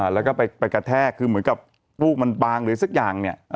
แล้วก็ไปกระแทกคือเหมือนกับลูกมันบางหรือสักอย่างเนี่ย